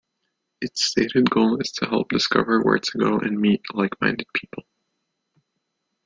Its stated goal is to help discover where to go and meet like-minded people.